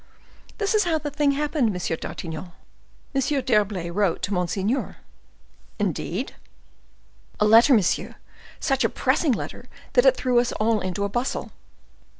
"This is how the thing happened, Monsieur d'Artagnan. M. d'Herblay wrote to monseigneur—" "Indeed!" "A letter, monsieur, such a pressing letter that it threw us all into a bustle."